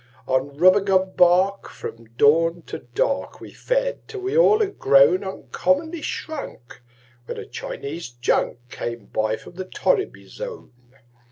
On rubagub bark, from dawn to dark, We fed, till we all had grown Uncommonly shrunk, when a Chinese junk Came by from the torriby zone.